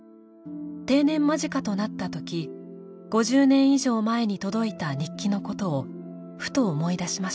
定年間近となったとき５０年以上前に届いた日記のことをふと思い出しました。